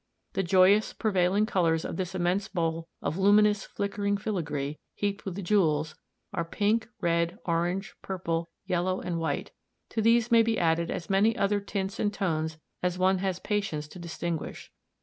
The joyous prevailing colors of this immense bowl of luminous, flickering filigree heaped with jewels, are pink, red, orange, purple, yellow and white; to these may be added as many other tints and tones as one has patience to distinguish.